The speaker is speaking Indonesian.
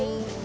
baik pak kiai